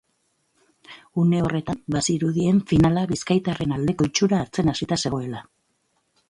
Une horretan, bazirudien finala bizkaitarraren aldeko itxura hartzen hasita zegoela.